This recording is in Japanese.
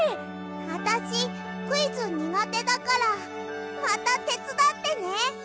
あたしクイズにがてだからまたてつだってね。